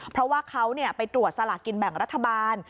เพราะว่าเขาไปตรวจสลากกินแบ่งรัฐบาล